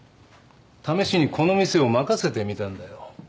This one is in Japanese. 試しにこの店を任せてみたんだよ。